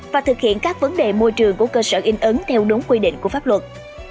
và thực hiện các vấn đề môi trường của cơ sở in ứng theo đúng quy định của pháp luật